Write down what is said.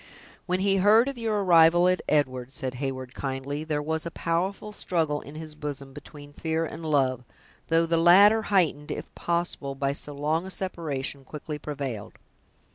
"When he heard of your arrival at Edward," said Heyward, kindly, "there was a powerful struggle in his bosom between fear and love; though the latter, heightened, if possible, by so long a separation, quickly prevailed.